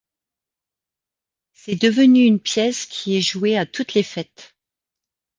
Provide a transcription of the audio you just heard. C'est devenu une pièce qui est jouée à toutes les fêtes.